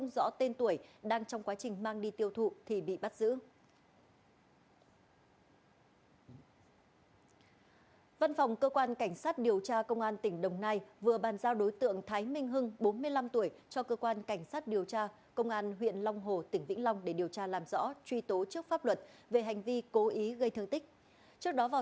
xin chào quý vị và các bạn đến với tiểu mục lệnh truy nã